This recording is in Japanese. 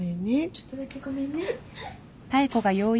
ちょっとだけごめんね。